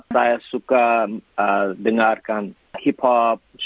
saya suka dengarkan hip hop